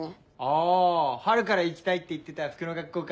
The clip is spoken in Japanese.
あ春から行きたいって言ってた服の学校か。